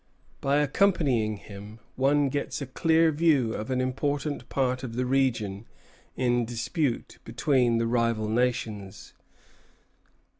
By accompanying him, one gets a clear view of an important part of the region in dispute between the rival nations.